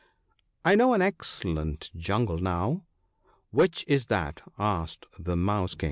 ' I know an excellent jungle now.' ' Which is that ?' asked the Mouse king.